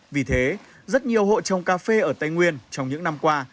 vì thế rất nhiều hộ trồng cà phê ở tây nguyên trong những năm qua